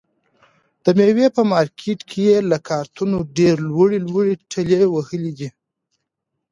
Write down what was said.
د مېوې په مارکېټ کې یې له کارتنو ډېرې لوړې لوړې ټلې وهلې وي.